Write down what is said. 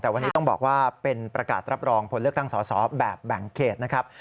แต่วันนี้ต้องบอกว่าเป็นประกาศรับรองผลเลือกตั้งสอสอแบบแบ่งเขตนะครับ